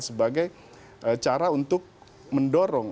sebagai cara untuk mendorong